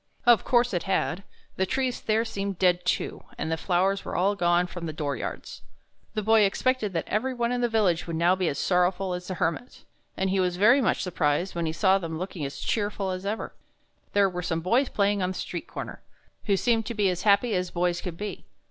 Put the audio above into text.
Of course it had: the trees there seemed dead, too, and the flowers were all gone from the door yards. The Boy expected that every one in the village would now be as sorrowful as the Hermit, and he was very much surprised when he saw them looking as cheerful as ever. There were some boys playing on the street comer, who seemed to be as happy as boys could be.